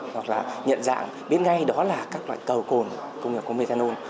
hoặc là nhận dạng biết ngay đó là các loại cầu cồn công nghiệp của methanol